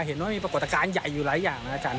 เห็นว่ามีปรากฏการณ์ใหญ่อยู่หลายอย่างนะอาจารย์